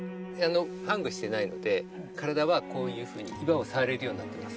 ハングしてないので、体はこういうふうに、岩を触れるようになってます。